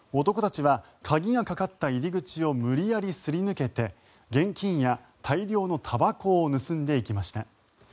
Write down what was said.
男たちは鍵がかかった入り口を無理やりすり抜けて現金や大量のたばこを盗んでいきました。